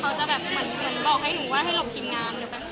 เขาจะแบบเหมือนบอกให้หนูว่าให้หลบทีมงานเดี๋ยวแป๊บนึง